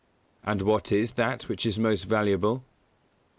_And what is that which is most valuable?